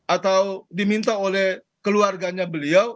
atau diminta oleh keluarganya beliau